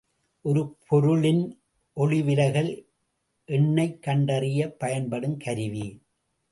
ஒரு பொருளின் ஒளிவிலகல் எண்ணைக் கண்டறியப் பயன்படுங் கருவி.